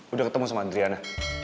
udah ketemu sama triana